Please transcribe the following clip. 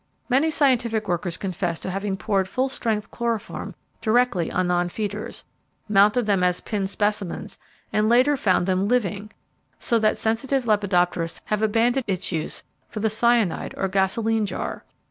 Many scientific workers confess to having poured full strength chloroform directly on nonfeeders, mounted them as pinned specimens and later found them living; so that sensitive lepidopterists have abandoned its use for the cyanide or gasoline jar.